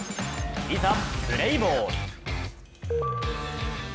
いざ、プレーボール！